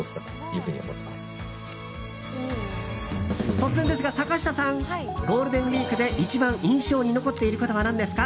突然ですが坂下さんゴールデンウィークで一番印象に残っていることは何ですか？